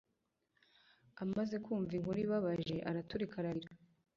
Amaze kumva inkuru ibabaje, araturika ararira